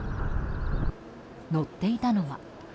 乗っていたのは。